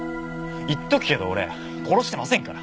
言っておくけど俺殺してませんから！